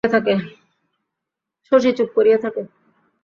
শশী চুপ করিয়া থাকে।